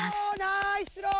ナイススロー！